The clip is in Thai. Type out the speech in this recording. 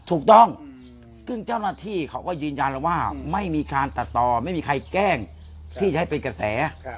ถูกต้องซึ่งเจ้าหน้าที่เขาก็ยืนยันแล้วว่าไม่มีการตัดต่อไม่มีใครแกล้งที่ใช้เป็นกระแส